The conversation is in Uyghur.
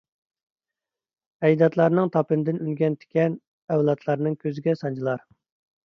ئەجدادلارنىڭ تاپىنىدىن ئۈنگەن تىكەن، ئەۋلادلارنىڭ كۆزىگە سانجىلار.